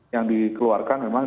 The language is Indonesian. yang dikeluarkan memang